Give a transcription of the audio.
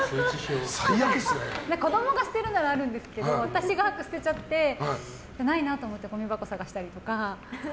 子供が捨てるならあるんですけど私が捨てちゃってないなと思ってごみ箱を探したりとか。